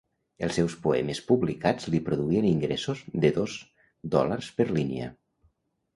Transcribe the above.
Els seus poemes publicats li produïen ingressos de dos dòlars per línia.